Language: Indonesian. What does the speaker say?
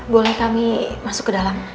boleh kami masuk ke dalam